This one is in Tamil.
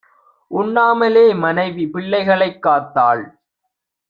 உண்ணாமலே மனைவி பிள்ளைகளைக் காத்தாள்.